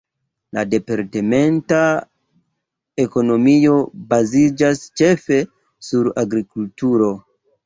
La departementa ekonomio baziĝas ĉefe sur agrikulturo.